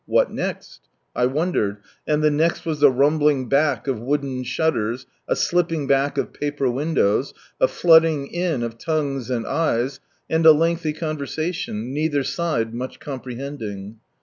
What next ? I wondered^ — and the i a rumbling back of wooden shutters, a slipping back of paper windows, a flooding in of tongues and eyes, and a lengthy conversation, neither side much comprehending.